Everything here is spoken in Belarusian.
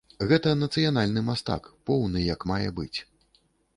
Гэта нацыянальны мастак, поўны як мае быць.